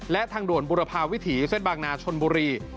และทางด่วนบุรพาวิถีเส้นบางนาชนบุรี